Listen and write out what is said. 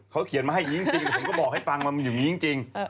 เขาเขียนมาให้อย่างนี้จริงผมก็บอกให้ฟังว่ามันอยู่อย่างนี้จริง